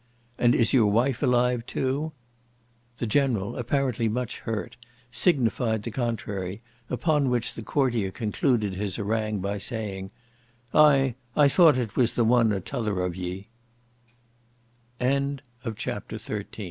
"And is your wife alive too?" 'The General, apparently much hurt, signified the contrary, upon which the courtier concluded his harangue, by saying, "Aye, I thought it was the one or the t'other of ye."' CHAPTER XI